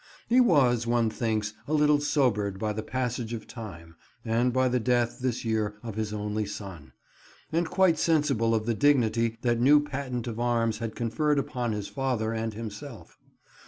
He was, one thinks, a little sobered by the passage of time; and by the death, this year, of his only son; and quite sensible of the dignity that new patent of arms had conferred upon his father and himself.